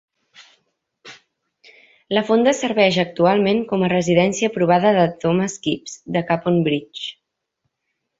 La fonda serveix actualment com a residència provada de Thomas Kipps de Capon Bridge.